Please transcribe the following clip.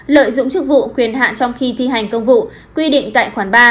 lợi dụng chức vụ quyền hạn trong khi thi hành công vụ quy định tại khoản ba